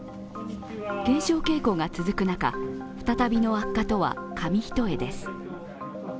減少傾向が続く中、再びの悪化とは紙一重です。